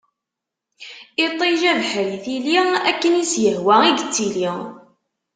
Iṭij, abeḥri, tili ; akken i s-yehwa i yettili.